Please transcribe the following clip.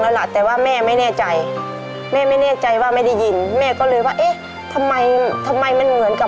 ประมาณเดือนหนึ่ง